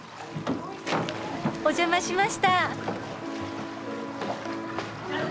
お邪魔しました。